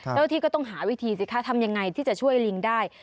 เจ้าที่ก็ต้องหาวิธีสิคะทำยังไงที่จะช่วยลิงได้